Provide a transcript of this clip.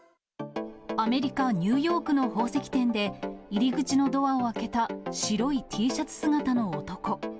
アメリカ・ニューヨークの宝石店で、入り口のドアを開けた白いＴシャツ姿の男。